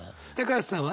橋さんは？